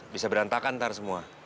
bisa berantakan ntar semua